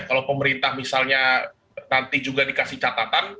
kalau pemerintah misalnya nanti juga dikasih catatan